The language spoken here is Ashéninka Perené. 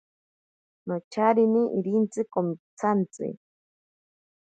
Nocharine irintsi komitsantsi.